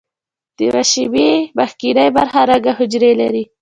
د مشیمیې مخکینۍ برخه رنګه حجرې لري.